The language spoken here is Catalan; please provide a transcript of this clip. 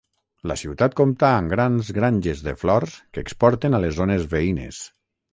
La ciutat compta amb grans granges de flors que exporten a les zones veïnes.